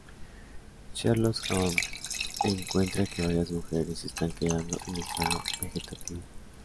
Sherlock Holmes encuentra que varias mujeres están quedando en estado vegetativo.